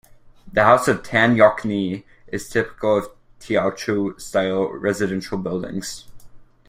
The House of Tan Yeok Nee is typical of Teochew-style residential buildings.